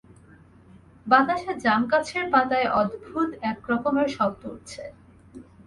বাতাসে জামগাছের পাতায় অদ্ভুদ এক রকমের শব্দ উঠছে।